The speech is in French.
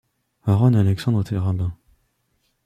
Aaron Alexandre était rabin.